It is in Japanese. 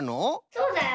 そうだよ。